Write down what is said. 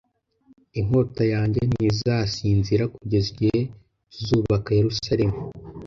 inkota yanjye ntizasinzira Kugeza igihe tuzubaka Yeruzalemu